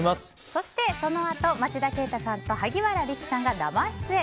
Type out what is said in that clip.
そして、そのあと町田啓太さんと萩原利久さんが生出演。